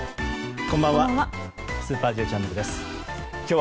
こんばんは。